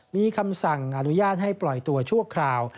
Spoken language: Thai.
มีคำสั่งอนุญาตให้ปล่อยตัวชั่วคราว